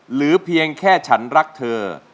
หรือเพียงแค่ฉันรักเธอ